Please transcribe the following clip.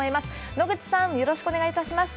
野口さん、よろしくお願いいたします。